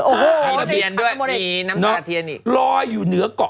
โอ้โห